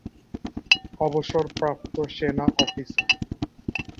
অবসরপ্রাপ্ত সেনা অফিসার।